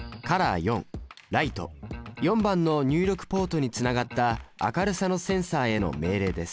４番の入力ポートにつながった明るさのセンサへの命令です。